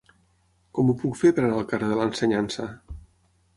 Com ho puc fer per anar al carrer de l'Ensenyança?